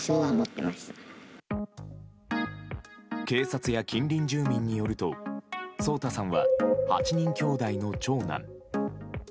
警察や近隣住民によると颯太さんは８人きょうだいの長男。